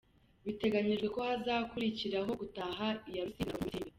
Biteganijwe ko hazakurikiraho gutaha iya Rusizi na Rubavu mu minsi iri mbere.